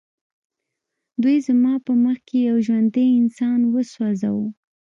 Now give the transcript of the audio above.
دوی زما په مخ کې یو ژوندی انسان وسوځاوه